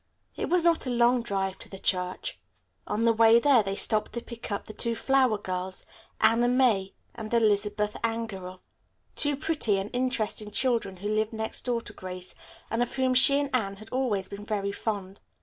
It was not a long drive to the church. On the way there they stopped to pick up the two flower girls, Anna May and Elizabeth Angerell, two pretty and interesting children who lived next door to Grace, and of whom she and Anne had always been very fond.